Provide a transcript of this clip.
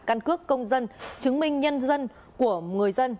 căn cước công dân chứng minh nhân dân của người dân